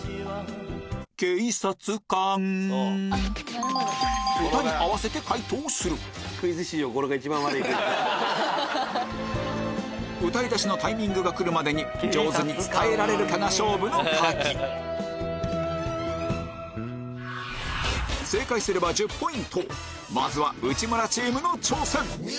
チームの代表者が解答者と出題者に分かれて歌い出しのタイミングが来るまでに上手に伝えられるかが勝負の鍵正解すれば１０ポイントまずは内村チームの挑戦